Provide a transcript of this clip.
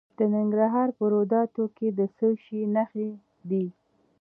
د ننګرهار په روداتو کې د څه شي نښې دي؟